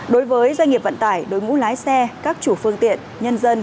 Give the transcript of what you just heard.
đối với doanh nghiệp vận tải đối mũ lái xe các chủ phương tiện nhân dân